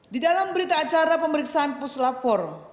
di dalam berita acara pemeriksaan puslapor